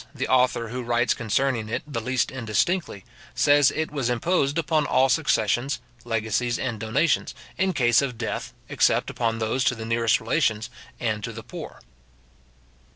} the author who writes concerning it the least indistinctly, says, that it was imposed upon all successions, legacies and donations, in case of death, except upon those to the nearest relations, and to the poor.